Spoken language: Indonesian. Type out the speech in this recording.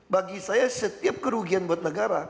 bagi saya setiap kerugian buat negara